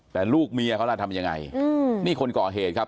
แต่ลูกเมียเขาล่ะทำยังไงนี่คนก่อเหตุครับ